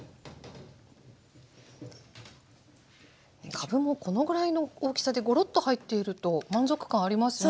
かぶもこのぐらいの大きさでゴロッと入っていると満足感ありますね。